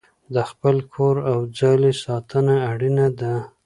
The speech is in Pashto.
د خپل کور او ځالې ساتنه اړینه ده.